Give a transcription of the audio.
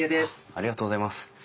ありがとうございます。